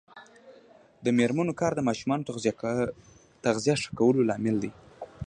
د میرمنو کار د ماشومانو تغذیه ښه کولو لامل دی.